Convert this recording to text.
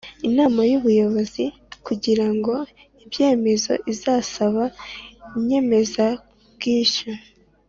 Inama y Ubuyobozi kugira ngo ibyemeze izasaba inyemezabwishyu